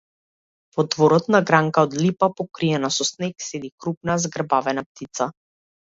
Во дворот, на гранка од липа, покриена со снег, седи крупна, згрбавена птица.